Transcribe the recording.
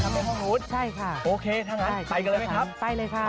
อ๋อทำให้ห้องหูดโอเคถ้าอย่างนั้นไปกันเลยไหมครับไปเลยครับ